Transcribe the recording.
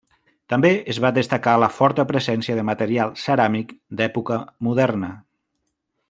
També es va destacar la forta presència de material ceràmic d’època moderna.